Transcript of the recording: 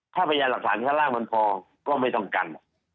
ถ้าพยานหลักฐานข้างล่างมันพอก็ไม่ต้องกัน